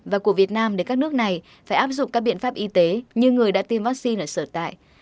và của việt nam để các nước này phải áp dụng các biện pháp y tế như người đã tiêm vaccine ở sở tại